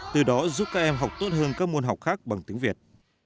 từ đó giúp các em học tốt hơn các môn học khác bằng tiếng việt